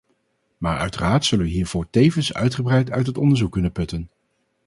Maar uiteraard zullen we hiervoor tevens uitgebreid uit het onderzoek kunnen putten.